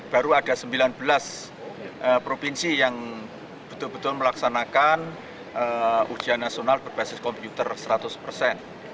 baru ada sembilan belas provinsi yang betul betul melaksanakan ujian nasional berbasis komputer seratus persen